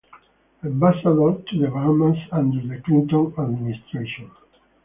Ambassador to the Bahamas under the Clinton Administration.